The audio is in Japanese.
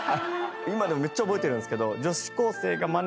今でもめっちゃ覚えてるんですけど。